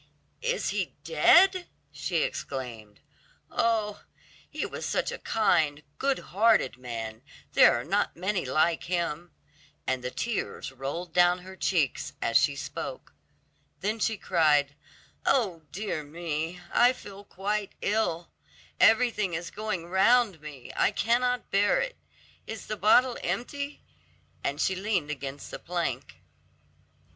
"Is he dead?" she exclaimed. "Oh, he was such a kind, good hearted man, there are not many like him," and the tears rolled down her cheeks as she spoke. Then she cried, "Oh, dear me; I feel quite ill: everything is going round me, I cannot bear it. Is the bottle empty?" and she leaned against the plank.